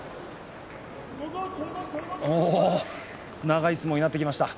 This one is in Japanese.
長い相撲になってきました。